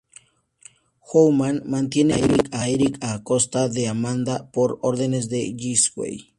Hoffman mantiene vivo a Eric a costa de Amanda por órdenes de Jigsaw.